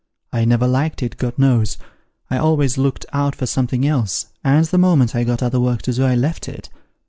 I never liked it, God knows ; I always looked out for something else, and the moment I got other work to do, I left it.